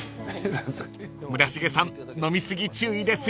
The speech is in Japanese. ［村重さん飲み過ぎ注意ですよ］